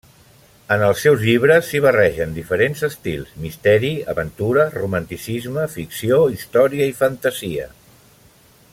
En els seus llibres s'hi barregen diferents estils: misteri, aventura, romanticisme, ficció, història i fantasia.